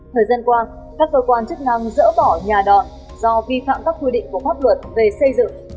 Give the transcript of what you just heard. thời gian qua các cơ quan chức năng dỡ bỏ nhà đọt do vi phạm các quy định của pháp luật về xây dựng